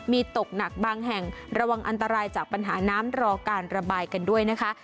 มีตกหนักบางแห่งระวังอันตรายจากปัญหาน้ำรอการระบายกันด้วยนะคะ